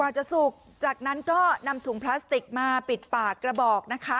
จะสุกจากนั้นก็นำถุงพลาสติกมาปิดปากกระบอกนะคะ